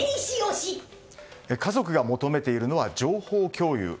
家族が求めているのは情報共有。